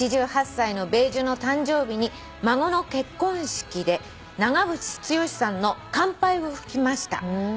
「８８歳の米寿の誕生日に孫の結婚式で長渕剛さんの『乾杯』を吹きました」